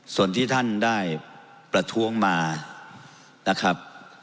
ส่วนที่ท่านได้ประท้วงมานะครับ